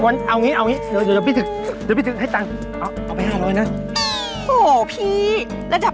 ยยยย